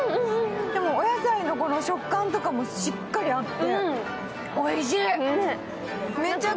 でも、お野菜の食感とかもしっかりあって、おいしい。